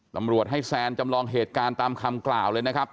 ตำรวจให้แซนจำลองเหตุการณ์ตามคำกล่าวเลยนะครับ